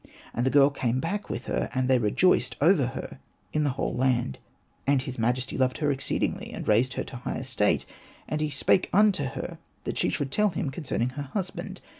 And the girl came back with her, and they rejoiced over her in the whole land. And his majesty loved her exceedingly, and raised her to high estate ; and he spake unto her that she should tell him concerning her husband.